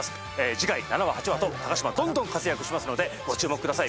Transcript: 次回７話８話と高島どんどん活躍しますのでご注目ください。